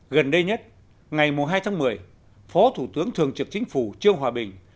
gần đây nhất ngày hai tháng một mươi phó thủ tướng thường trực chính phủ trương hòa bình